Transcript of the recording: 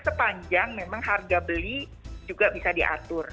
sepanjang memang harga beli juga bisa diatur